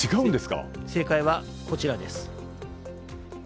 正解は、こちらです。